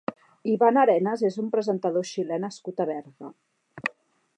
Iván Arenas és un presentador xilè nascut a Berga.